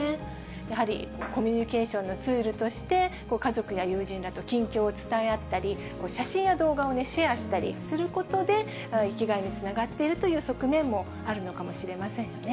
やはりコミュニケーションのツールとして、家族や友人らと近況を伝え合ったり、写真や動画をシェアしたりすることで、生きがいにつながっているという側面もあるのかもしれませんよね。